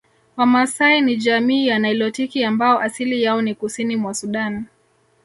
Wamaasai ni jamii ya nilotiki ambao asili yao ni kusini mwa Sudan